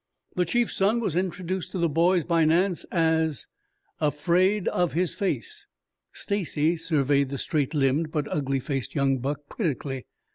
The chief's son was introduced to the boys by Nance as "Afraid Of His Face." Stacy surveyed the straight limbed but ugly faced young buck critically.